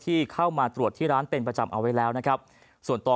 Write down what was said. ที่เข้ามาตรวจที่ร้านเป็นประจำเอาไว้แล้ว